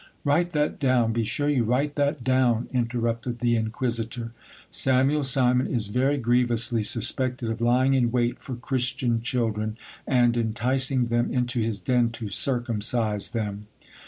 Write that down, be sure you write that down ! interrupted the inquisitor. Samuel Simon is very grievously suspected of lying in wait for Christian children, and enticing them into his den to circumcise them.